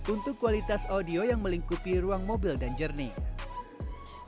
untuk kualitas audio yang melingkupi ruang mobil dan jernih